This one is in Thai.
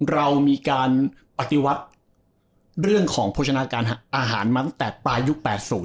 เรามีการปฏิวัติเรื่องของโภชนาการอาหารมาตั้งแต่ปลายุค๘๐